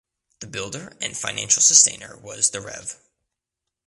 The builder and financial sustainer was the Rev.